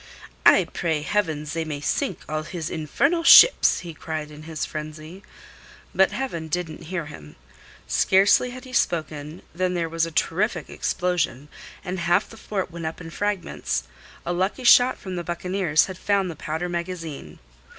"I pray Heaven they may sink all his infernal ships!" he cried in his frenzy. But Heaven didn't hear him. Scarcely had he spoken than there was a terrific explosion, and half the fort went up in fragments. A lucky shot from the buccaneers had found the powder magazine.